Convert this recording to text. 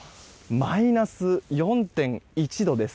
マイナス４．１度です。